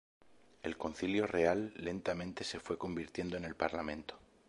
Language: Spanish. El Concilio Real lentamente se fue convirtiendo en el Parlamento.